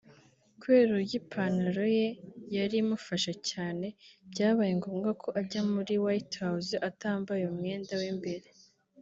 Kubera uburyo ipantaro ye yari imufashe cyane byabaye ngombwa ko ajya muri White House atambaye umwenda w'imbere